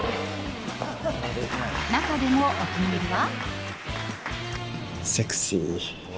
中でもお気に入りは。